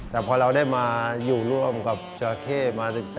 แต่พอเราได้มาอยู่ร่วมกับจราเข้มา๑๓